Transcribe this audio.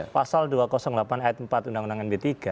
pasal dua ratus delapan ayat empat undang undang md tiga